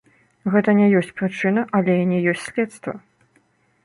Гэта не ёсць прычына, але і не ёсць следства.